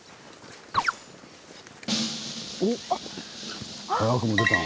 おっ早くも出たな。